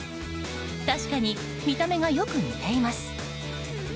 確かに、見た目がよく似ています。